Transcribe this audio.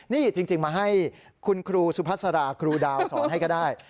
นี่จริงมาให้คุณครูสุพัสราครูดาวสอนให้ก็ได้